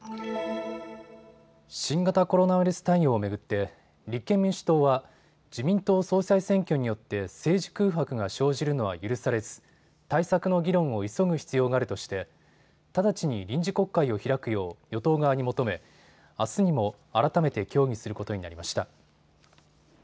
新型コロナウイルス対応を巡って立憲民主党は自民党総裁選挙によって政治空白が生じるのは許されず対策の議論を急ぐ必要があるとして直ちに臨時国会を開くよう与党側に求めあすにも改めて協議することになりました。